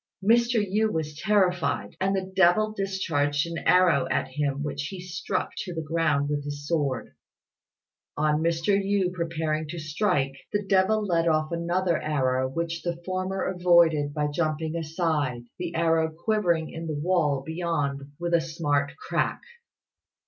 Mr. Yü was terrified; and the devil discharged an arrow at him which he struck to the ground with his sword. On Mr. Yü preparing to strike, the devil let off another arrow which the former avoided by jumping aside, the arrow quivering in the wall beyond with a smart crack.